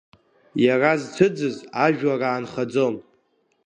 Иара зцәыӡыз ажәлар аанхаӡом.